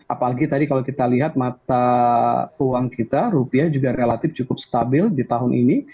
apalagi tadi kalau kita lihat mata uang kita rupiah juga relatif cukup stabil di tahun ini